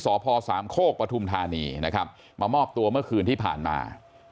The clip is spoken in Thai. สพสามโคกปฐุมธานีนะครับมามอบตัวเมื่อคืนที่ผ่านมา